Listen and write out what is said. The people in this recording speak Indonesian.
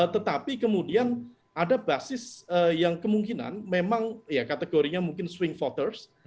tetapi kemudian ada basis yang kemungkinan memang ya kategorinya mungkin swing voters